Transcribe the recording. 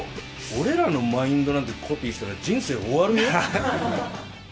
俺らのマインドなんてコピーしたら、人生終わるよ。